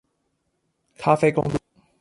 咖啡公路